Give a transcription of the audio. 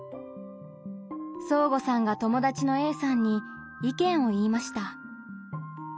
そーごさんが友達のＡさんに意見を言いました。